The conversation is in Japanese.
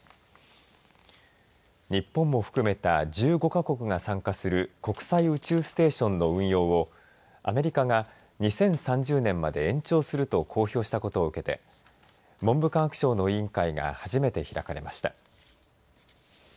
日本も含めた１５か国が参加する国際宇宙ステーションの運用をアメリカが２０３０年まで延長すると公表したことを受けて文部科学省の委員会が初めて開かれました。